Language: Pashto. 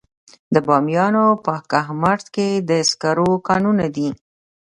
د بامیان په کهمرد کې د سکرو کانونه دي.